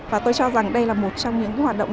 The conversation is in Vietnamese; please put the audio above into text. và tôi cho rằng đây là một trong những hoạt động